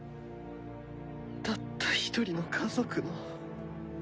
たった一人の家族の。